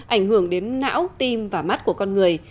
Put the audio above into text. ảnh hưởng đến não tim và mắt của con người